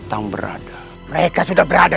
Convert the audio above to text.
terima kasih guru